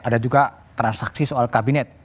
ada juga transaksi soal kabinet